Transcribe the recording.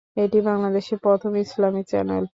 এটি বাংলাদেশের প্রথম ইসলামি চ্যানেল।